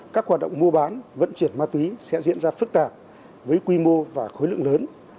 các hoạt động mua bán vận chuyển ma túy sẽ diễn ra phức tạp với quy mô và khối lượng lớn